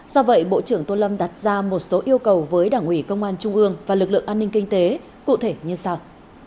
do vậy bộ trưởng tô lâm đặt ra một số yêu cầu với đảng ủy công an trung ương và lực lượng an ninh kinh tế cụ thể như sau